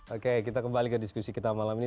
oke kita kembali ke diskusi kita malam ini